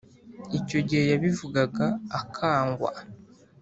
icyo gihe yabivugaga akangwa